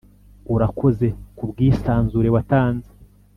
urakoze kubwisanzure watanze